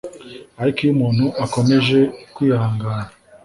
Ariko iyo umuntu akomeje kwihangana,